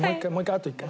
あと一回。